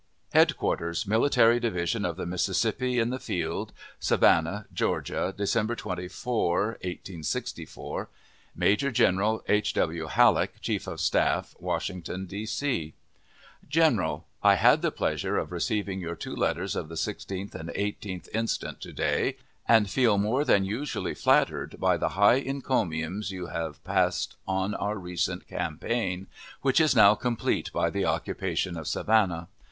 HEADQUARTERS MILITARY DIVISION OF THE MISSISSIPPI IN THE FIELD, SAVANNAH, GEORGIA, December 24, 1864. Major General H. W. HALLECK, Chief of Staff; Washington, D. C. GENERAL: I had the pleasure of receiving your two letters of the 16th and 18th instant to day, and feel more than usually flattered by the high encomiums you have passed on our recent campaign, which is now complete by the occupation of Savannah.